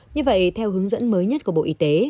như vậy theo hướng dẫn mới nhất của bộ y tế